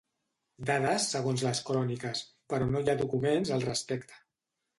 Dades segons les cròniques, però no hi ha documents al respecte.